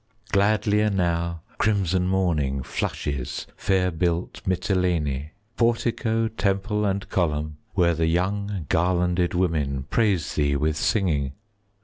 15 Gladlier now crimson morning Flushes fair built Mitylene,— Portico, temple, and column,— Where the young garlanded women Praise thee with singing.